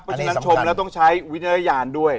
ประชุมนักชมแล้วต้องใช้วิญญาณด้วย